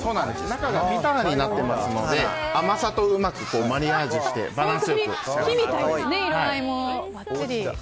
中がビターになっていますので甘さとうまくマリアージュしてバランス良く。